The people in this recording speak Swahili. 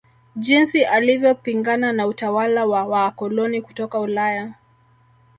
Jinsi alivyopingana na utawala wa waakoloni kutoka Ulaya